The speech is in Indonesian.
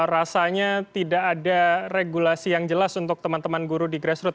rasanya tidak ada regulasi yang jelas untuk teman teman guru di grassroot